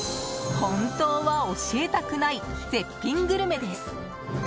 本当は教えたくない絶品グルメです。